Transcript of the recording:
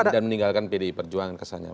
dan meninggalkan pdi perjuangan